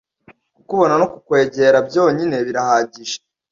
Kukubona no kukwegerabyonyine birahagije